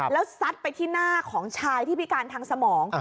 แล้วซัดไปที่หน้าของชายที่พิการทางสมอง